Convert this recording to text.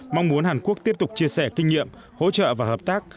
mong muốn hàn quốc tiếp tục chia sẻ kinh nghiệm hỗ trợ và hợp tác